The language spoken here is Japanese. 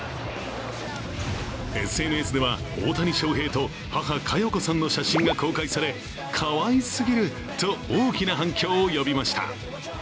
ＳＮＳでは、大谷翔平と母・加代子さんの写真が公開されかわいすぎると大きな反響を呼びました。